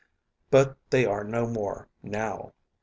But they are no more, now.